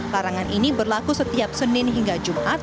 larangan ini berlaku setiap senin hingga jumat